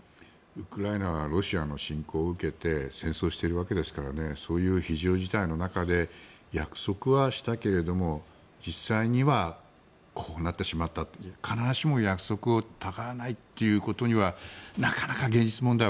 ウクライナはロシアの侵攻を受けて戦争をしているわけですからそういう非常事態の中で約束はしたけれども実際にはこうなってしまったと必ずしも約束をたがわないということにはなかなか現実問題